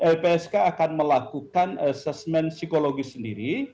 lpsk akan melakukan asesmen psikologis sendiri